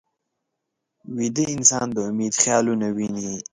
ویده انسان د امید خیالونه ویني